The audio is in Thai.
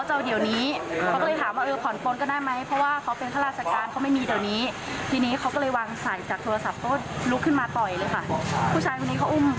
แล้วที่นี้หนูก็เอ้มลูกออกมาเขาก็เดินเข้าไปหยิบปืนว่ายิงเลยค่ะ